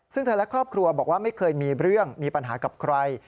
ซึ่งเธอและครอบครัวบอกว่าไม่เคยมีเรื่องมีปัญหากับใคร